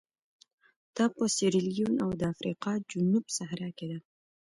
دا په سیریلیون او د افریقا جنوب صحرا کې ده.